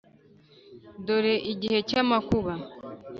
dore igihe cy’amakuba.